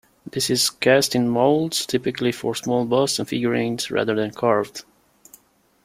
This is cast in moulds, typically for small busts and figurines, rather than carved.